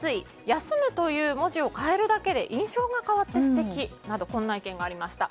「休」という文字を変えるだけで印象が変わって素敵などこんな意見がありました。